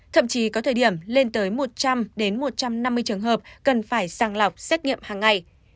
thậm chí có thời điểm lên tới một trăm linh một trăm năm mươi trường hợp cần phải sàng lọc xét nghiệm hàng ngày